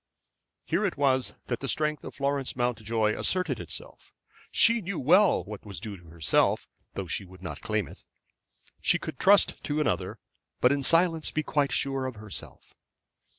Here it was that the strength of Florence Mountjoy asserted itself. She knew well what was due to herself, though she would not claim it. She could trust to another, but in silence be quite sure of herself.